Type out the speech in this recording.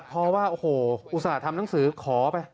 เพราะว่าโอ้โฮอุตสาหรัฐธรรมหนังสือขอไป